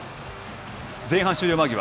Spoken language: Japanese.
前半終了間際。